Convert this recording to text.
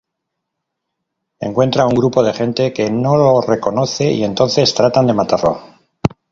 Encuentra un grupo de gente que no lo reconoce y entonces tratan de matarlo.